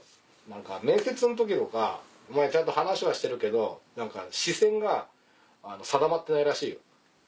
何か面接の時とかお前ちゃんと話はしてるけど視線が定まってないらしいよ。